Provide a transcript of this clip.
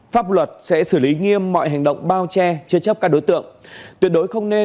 pháp luật sẽ xử lý nghiêm mọi hành động bao che chơi chấp các đối tượng